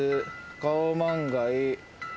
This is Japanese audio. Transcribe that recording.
カオマンガイ。